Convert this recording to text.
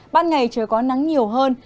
ban ngày trời có nắng nhiều hơn